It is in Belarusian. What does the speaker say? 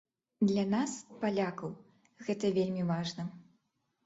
Для нас, палякаў, гэта вельмі важна.